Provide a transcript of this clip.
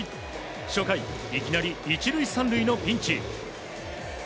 初回、いきなり１塁３塁のピンチ。